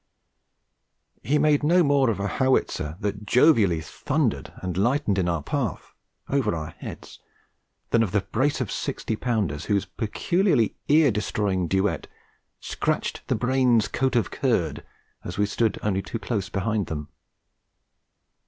He made no more of a howitzer that jovially thundered and lightened in our path, over our very heads, than of the brace of sixty pounders whose peculiarly ear destroying duet 'scratched the brain's coat of curd' as we stood only too close behind them.